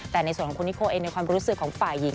แต่ในส่วนของคุณนิโคเองในความรู้สึกของฝ่ายหญิง